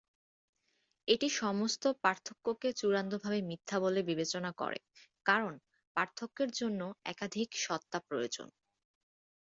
এটি সমস্ত পার্থক্যকে চূড়ান্তভাবে মিথ্যা বলে বিবেচনা করে কারণ পার্থক্যের জন্য একাধিক সত্তা প্রয়োজন।